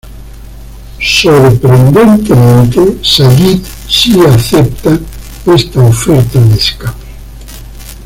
Sorprendentemente Sayid sí acepta esta oferta de escape.